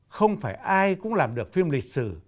không phải ai cũng làm được phim lịch sử